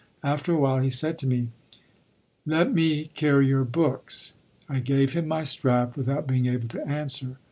After a while he said to me: "Le' me carry your books." I gave him my strap without being able to answer.